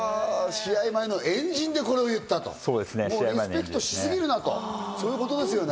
試合前の円陣でこれを言ったと、リスペクトしすぎるなということですね。